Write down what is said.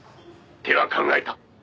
手は考えた」